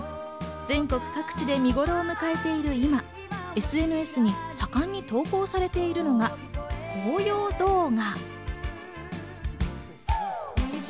全国各地で見ごろを迎えている今、ＳＮＳに盛んに投稿されているのが紅葉動画。